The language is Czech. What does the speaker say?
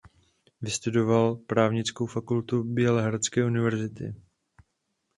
Vystudoval Právnickou fakultu Bělehradské univerzity.